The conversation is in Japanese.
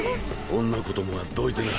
女子供はどいてな。